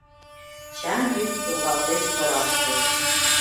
Чаҥ йӱк йоҥгалтеш торашке